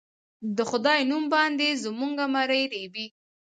د خدای نوم باندې زموږه مرۍ رېبي